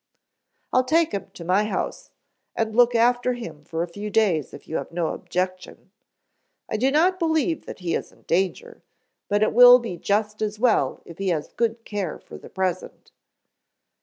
"I'll take him to my house and look after him a few days, if you have no objection. I do not believe that he is in danger, but it will be just as well if he has good care for the present."